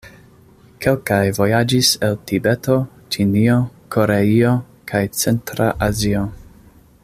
Kelkaj vojaĝis el Tibeto, Ĉinio, Koreio kaj centra Azio.